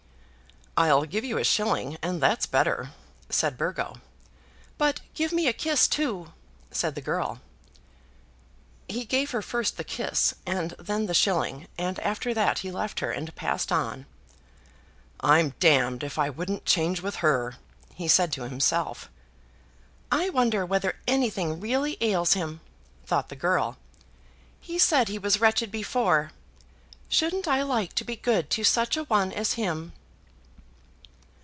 "I'll give you a shilling, and that's better," said Burgo. "But give me a kiss too," said the girl. He gave her first the kiss, and then the shilling, and after that he left her and passed on. "I'm d d if I wouldn't change with her!" he said to himself. "I wonder whether anything really ails him?" thought the girl. "He said he was wretched before. Shouldn't I like to be good to such a one as him!"